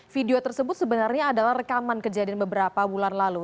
video tersebut sebenarnya adalah rekaman kejadian beberapa bulan lalu